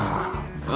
あ。